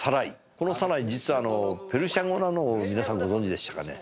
この『サライ』実はペルシャ語なのを皆さんご存じでしたかね。